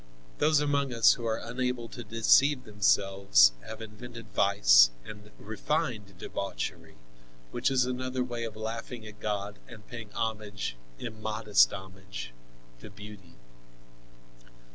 Those among us who are unable to deceive themselves have invented vice and refined debauchery, which is another way of laughing at God and paying homage, immodest homage, to beauty.